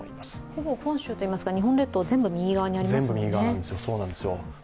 ほぼ本州といいますか、日本列島が全部右側にありますもんね。